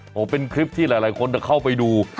โอ้โหเป็นคลิปที่หลายคนเข้าไปดู